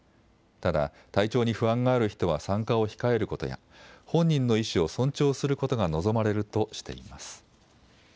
ただ、体調に不安がある人は参加を控えることや、本人の意思を尊重することが望まれるとしています。